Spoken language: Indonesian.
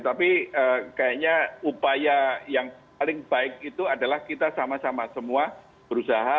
tapi kayaknya upaya yang paling baik itu adalah kita sama sama semua berusaha